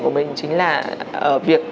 của mình chính là việc